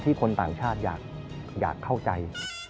คนต่างชาติอยากเข้าใจ